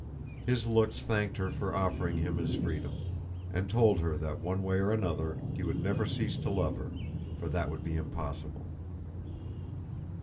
His looks thanked her for offering him his freedom and told her that one way or another he would never cease to love her, for that would be impossible.